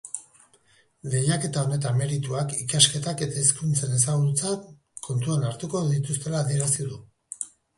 Lehiaketa honetan merituak, ikasketak eta hizkuntzen ezagutza kontuan hartuko dituztela adierazi du.